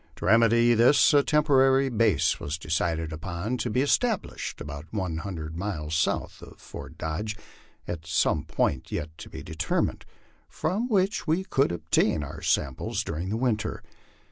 To remedy this a temporary base was decided upon, to be established about one hundred miles south of Fort Dodge, at some point yet to be determined, from which we could obtain our supplies during the winter.